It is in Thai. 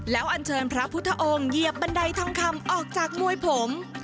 แล้วอันเชิญพระพุทธองค์เหยียบบันไดทองคำออกจากมวยผม